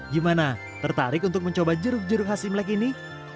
gimana tertarik untuk mencoba jeruk jeruk khas imlek ini